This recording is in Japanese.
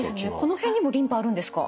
この辺にもリンパあるんですか？